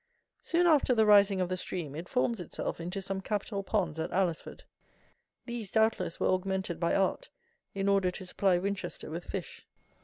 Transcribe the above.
Soon after the rising of the stream, it forms itself into some capital ponds at Alresford. These, doubtless, were augmented by art, in order to supply Winchester with fish.